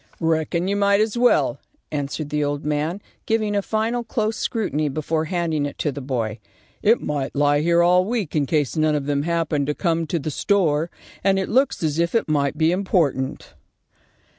"Reckon you might as well," answered the old man, giving a final close scrutiny before handing it to the boy. "It might lie here all week in case none of them happened to come to the store, and it looks as if it might be important."